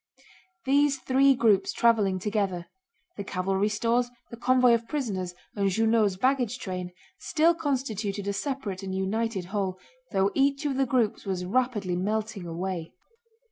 These three groups traveling together—the cavalry stores, the convoy of prisoners, and Junot's baggage train—still constituted a separate and united whole, though each of the groups was rapidly melting away.